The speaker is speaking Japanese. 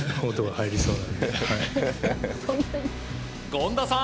権田さん